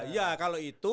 ya kalau itu